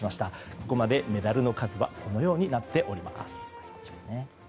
ここまでメダルの数はこのようになっております。